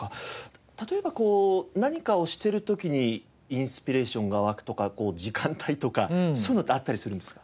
例えば何かをしてる時にインスピレーションが湧くとか時間帯とかそういうのってあったりするんですか？